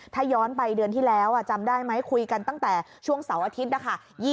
ถ้าย้อนไปเดือนที่แล้วจำได้ไหมคุยกันตั้งแต่ช่วงเสาร์อาทิตย์นะคะ